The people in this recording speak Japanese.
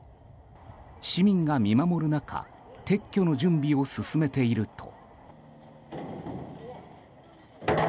市民が見守る中撤去の準備を進めていると。